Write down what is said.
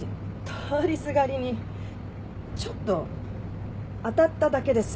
通りすがりにちょっと当たっただけです。